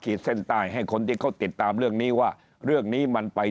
เส้นใต้ให้คนที่เขาติดตามเรื่องนี้ว่าเรื่องนี้มันไป